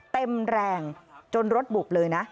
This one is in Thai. เต็มแรงจนรถบุบเลยนะ